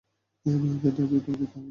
এদের দাবি কী তা-ও জানি না।